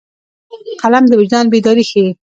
قلم د وجدان بیداري ښيي